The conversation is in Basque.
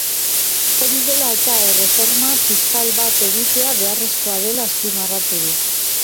Hori dela eta, erreforma fiskal bat egitea beharrezkoa dela azpimarratu du.